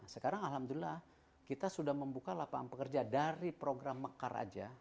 sekarang alhamdulillah kita sudah membuka lapangan pekerjaan dari program mekar aja